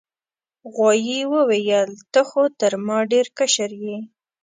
غوايي وویل ته خو تر ما ډیر کشر یې.